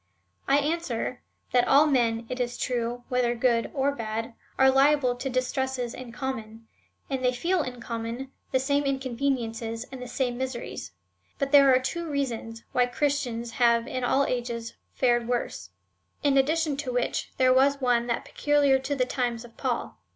I answer, that all men, it is true, whether good or bad, are liable to distresses in common, and they feel in common the same . inconveniences, and the same miseries ; but there are two reasons why Christians have in all ages fared w^orse, in addi tion to w^hich, there was one that was peculiar to the times of Paul.